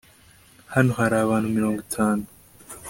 hano hari abantu mirongo itanu